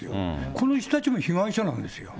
この人たちも被害者なんですよ。